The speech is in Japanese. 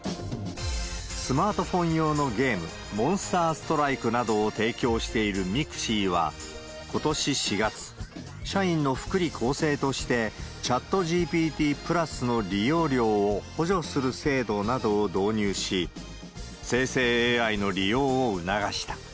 スマートフォン用のゲーム、モンスターストライクなどを提供しているＭＩＸＩは、ことし４月、社員の福利厚生として、ＣｈａｔＧＰＴＰｌｕｓの利用料を補助する制度などを導入し、生成ＡＩの利用を促した。